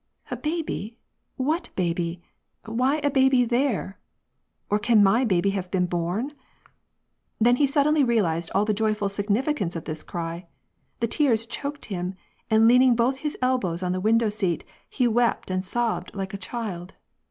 "A baby? What baby? Why a baby there ?— Or can my baby have been born ?" Then he suddenly realized all the joyful significance of this C17 : the tears choked him, and leaning both his elbows on the window seat, he wept and sobbed like a child.